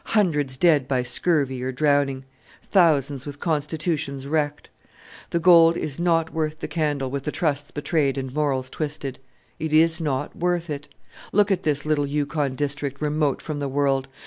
Hundreds dead by scurvy or drowning; thousands with constitutions wrecked! The gold is not worth the candle, with the Trusts betrayed and morals twisted! It is not worth it. Look at this little Yukon district, remote from the world.